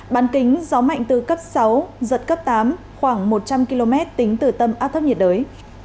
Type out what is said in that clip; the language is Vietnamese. bán kính gió mạnh từ cấp sáu giật cấp tám khoảng một trăm linh km tính từ tâm áp thấp nhiệt đới